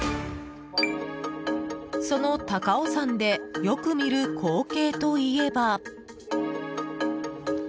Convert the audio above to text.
その高尾山でよく見る光景といえば。